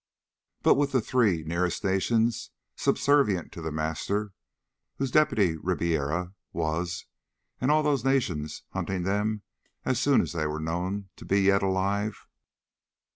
But with the three nearest nations subservient to The Master, whose deputy Ribiera was, and all those nations hunting them as soon as they were known to be yet alive....